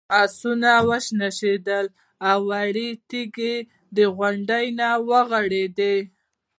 آسونه وشڼېدل او وړې تیږې د غونډۍ نه ورغړېدې.